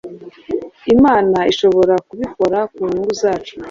Imana ishobora kubikora ku nyungu zacu.